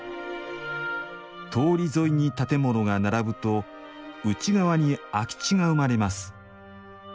通り沿いに建物が並ぶと内側に空き地が生まれます。